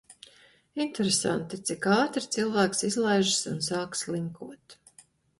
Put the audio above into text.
Interesanti, cik ātri cilvēks izlaižas un sāk slinkot.